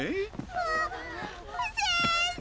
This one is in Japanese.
あ先生！